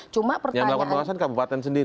cuma melakukan pengawasan kabupaten sendiri